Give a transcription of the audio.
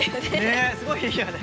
ねえすごいいいよね。